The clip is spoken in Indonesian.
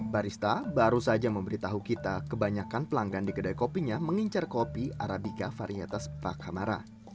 barista baru saja memberitahu kita kebanyakan pelanggan di kedai kopinya mengincar kopi arabica varietas pakamara